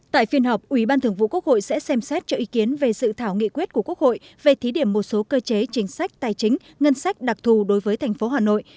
tại phiên họp ubthq sẽ xem xét cho ý kiến về sự thảo nghị quyết của quốc hội về thí điểm một số cơ chế chính sách tài chính ngân sách đặc thù đối với tp hà nội